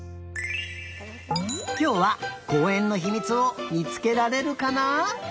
きょうはこうえんのひみつをみつけられるかな？